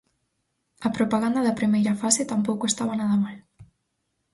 A propaganda da primeira fase tampouco estaba nada mal.